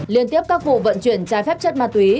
liên tiếp các vụ vận chuyển trái phép chất ma túy